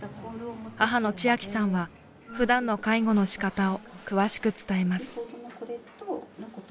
母の千晶さんは普段の介護の仕方を詳しく伝えます。